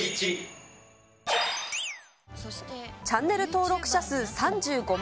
チャンネル登録者数３５万